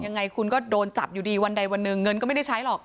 ยังไงคุณก็โดนจับอยู่ดีวันใดวันหนึ่งเงินก็ไม่ได้ใช้หรอก